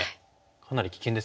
かなり危険ですよね。